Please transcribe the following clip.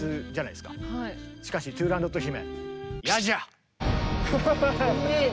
しかしトゥーランドット姫えぇ？